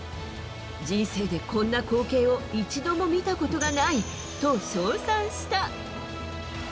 人生でこんな光景を一度も見たことがないと称賛した。